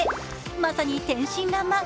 まさに天真らんまん。